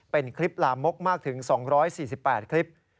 เป็นคลิปลามกมากถึง๒๔๘คลิป